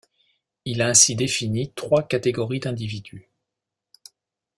Il a ainsi défini trois catégories d'individus.